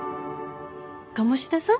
鴨志田さん？